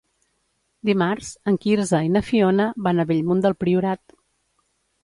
Dimarts en Quirze i na Fiona van a Bellmunt del Priorat.